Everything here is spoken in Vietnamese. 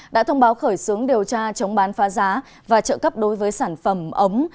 đã thông báo khởi xướng điều tra chống bán phá giá và trợ cấp đối với sản phẩm ống